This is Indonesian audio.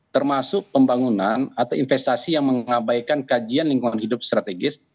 termasuk pembangunan atau investasi yang mengabaikan kajian lingkungan hidup strategis